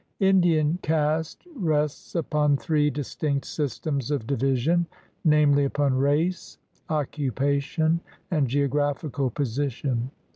] Indian caste rests upon three distinct systems of divi sion; namely, upon race, occupation, and geographical position.